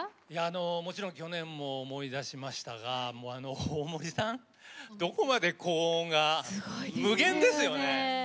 もちろん去年も思い出しましたが大森さん、高音無限ですよね